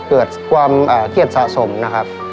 เกิดความเครียดสะสมนะครับ